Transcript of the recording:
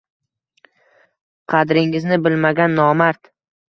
Qadringizni bilmagan nomard